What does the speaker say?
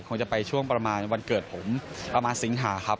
คงจะไปช่วงประมาณวันเกิดผมประมาณสิงหาครับ